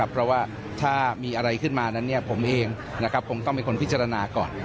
เพราะว่าถ้ามีอะไรขึ้นมานั้นผมเองคงต้องเป็นคนพิจารณาก่อน